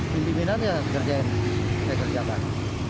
pimpinan ya saya kerjakan